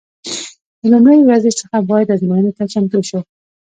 د لومړۍ ورځې څخه باید ازموینې ته چمتو شو.